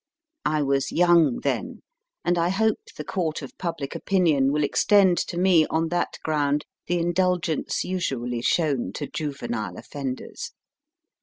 I was young then, and I hope the court of public opinion will extend to me, on that ground, the indulgence usually shown to juvenile offenders.